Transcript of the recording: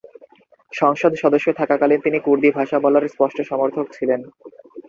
সংসদ সদস্য থাকাকালীন তিনি কুর্দি ভাষা বলার স্পষ্ট সমর্থক ছিলেন।